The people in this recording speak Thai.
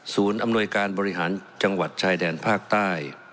อำนวยการบริหารจังหวัดชายแดนภาคใต้